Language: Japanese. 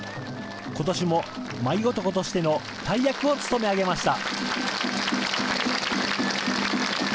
ことしも舞男としての大役を務め上げました。